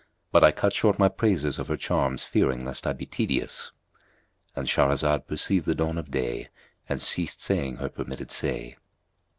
But I cut short my praises of her charms fearing lest I be tedious."—And Shahrazad perceived the dawn of day and ceased saying her permitted say.